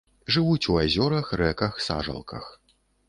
Жывуць у азёрах, рэках, сажалках.